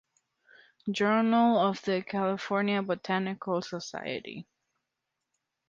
Journal of the California Botanical Society.